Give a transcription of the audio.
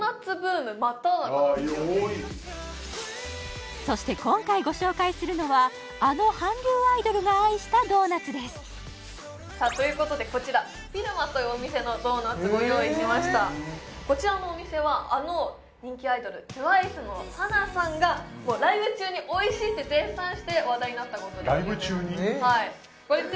ああ多いそして今回ご紹介するのはあの韓流アイドルが愛したドーナツですさあということでこちらピルマというお店のドーナツご用意しましたこちらのお店はあの人気アイドルＴＷＩＣＥのＳＡＮＡさんがライブ中においしいって絶賛して話題になったことでも有名なんです